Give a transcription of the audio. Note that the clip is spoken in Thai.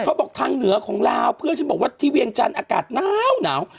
บอกทางเหนือของลาวเพื่อนฉันบอกว่าที่เวียงจันทร์อากาศหนาว